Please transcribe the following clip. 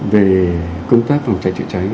về công tác phòng cháy trợ cháy